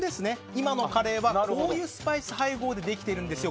今のカレーはこういうスパイス配合でできてるんですよ。